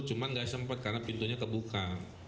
cuma nggak sempat karena pintunya kebuka